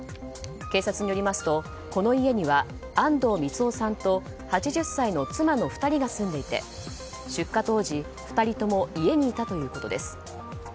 警察によりますとこの家には安藤満生さんと８０歳の妻の２人が住んでいて出火当時、２人とも家にいたということです。